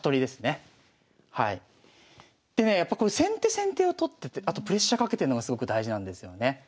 でねやっぱこれ先手先手を取っててあとプレッシャーかけてんのがすごく大事なんですよね。